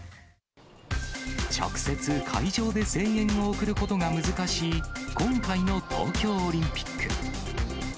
直接会場で声援を送ることが難しい、今回の東京オリンピック。